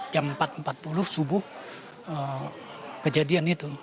jam empat empat puluh subuh kejadian itu